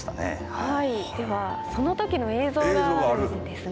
ではそのときの映像があるんですね。